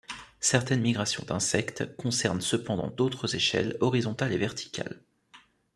Certaines migrations d'insectes concernent cependant d'autres échelles horizontales et verticales.